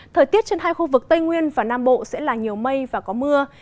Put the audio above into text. thời tiết trên hai khu vực tây nguyên và nam bộ sẽ là nhiều mây và có mưa